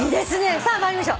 さあ参りましょう。